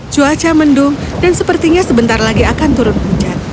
cuaca mendung dan sepertinya sebentar lagi akan turun hujan